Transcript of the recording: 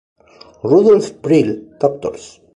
Rudolf Brill, Drs.